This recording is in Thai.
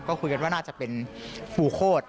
ก็คุยกันว่าน่าจะเป็นภูโคตร